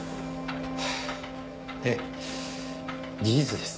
ええ事実です。